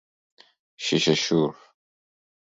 شیشه شور